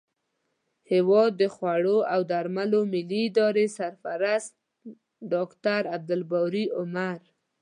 هیواد د خوړو او درملو ملي ادارې سرپرست ډاکټر عبدالباري عمر